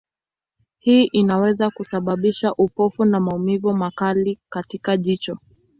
Hii inaweza kusababisha upofu na maumivu makali katika jicho.